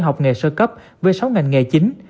học nghề sơ cấp với sáu ngành nghề chính